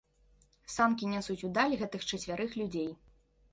Санкі нясуць у даль гэтых чацвярых людзей.